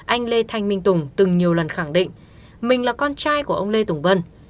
anh lê thanh minh tùng từng nhiều lần khẳng định mình là con trai của ông lê tùng vân